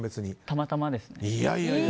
たまたまですね。